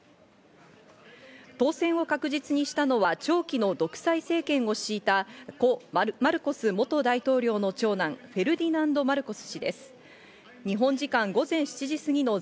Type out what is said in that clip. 当選を確実にしたのは長期の独裁政権を敷いた故マルコス元大統領の長男フェルディナンド・マルコス氏です。